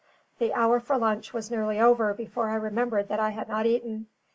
The hour for lunch was nearly over before I remembered that I had not eaten.